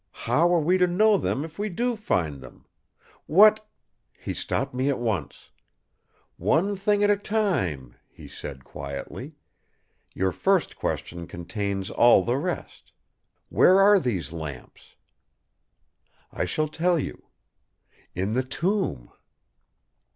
How are we to know them if we do find them? What—' "He stopped me at once: "'One thing at a time!' he said quietly. 'Your first question contains all the rest. Where are these lamps? I shall tell you: In the tomb!